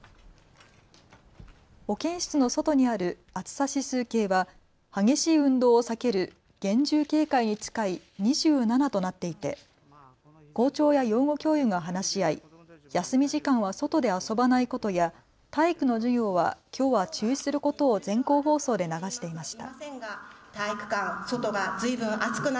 保健室の外にある暑さ指数計は激しい運動を避ける厳重警戒に近い２７となっていて校長や養護教諭が話し合い、休み時間は外で遊ばないことや体育の授業はきょうは中止することを全校放送で流していました。